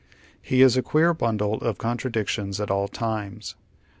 He is a queer bundle of contradictions at all times.